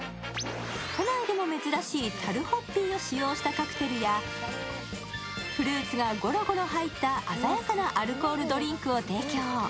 都内でも珍しい樽ホッピーを使用したカクテルや、フルーツがゴロゴロ入った鮮やかなアルコールドリンクを提供。